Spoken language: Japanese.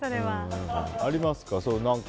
ありますか？